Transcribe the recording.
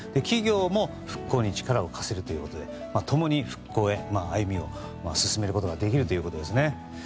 企業も復興に力を貸せるということで共に復興へ、歩みを進めることができるということですね。